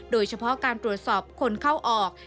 โดยเฉพาะการตรวจสอบคนเข้าออก